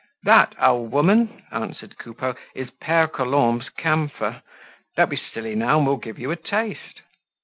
"That, old woman," answered Coupeau, "is Pere Colombe's camphor. Don't be silly now and we'll give you a taste."